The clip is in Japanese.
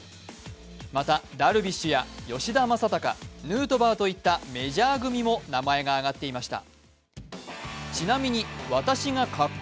またダルビッシュや吉田正尚、ヌートバーといったメジャー組も名前が挙がっていました。